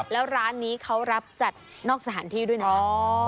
แล้วร้านนี้เขารับจัดนอกสถานที่ด้วยนะ